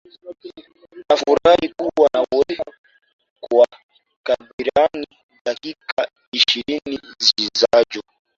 nafurahi kuwa nawe kwa takribani dakika ishirini zijazo